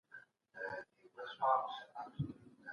سپوږمۍ راخېژي.